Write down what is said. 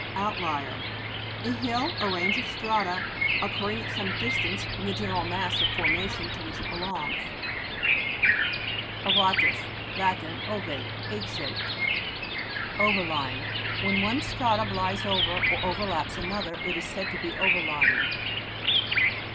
OUTLIER A hill or range of strata occurring at some distance from the general mass 01 formation to which it belongs. OVA'TUS Lat. Ovate, egg shaped. OVERLYING When one stratum lies over, or overlaps another, it is said to be overlying.